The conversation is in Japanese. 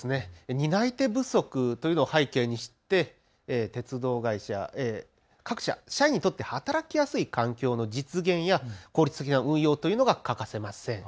担い手不足というのを背景にして鉄道会社、各社、社員にとって働きやすい環境の実現や効率的な運用が欠かせません。